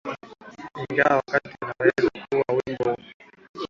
ingawa watu kadhaa wanaweza kuongoza wimbo